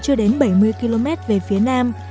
chưa đến bảy mươi km về phía nam